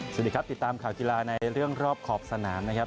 สวัสดีครับติดตามข่าวกีฬาในเรื่องรอบขอบสนามนะครับ